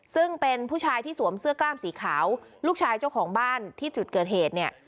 ซึ่งเป็นผู้ชายที่สวมเสื้อกล้ามสีขาวลูกชายเจ้าของบ้านที่จุดเกิดเหตุเนี่ย